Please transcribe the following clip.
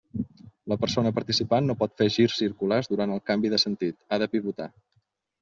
La persona participant no pot fer girs circulars durant el canvi de sentit, ha de pivotar.